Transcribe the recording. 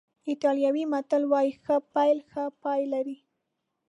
ایټالوي متل وایي ښه پیل ښه پای لري.